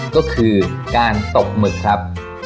ก็คือการตกหมึกครับ